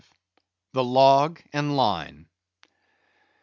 The Log and Line.